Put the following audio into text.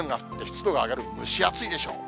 雨が降って湿度が上がる、蒸し暑いでしょう。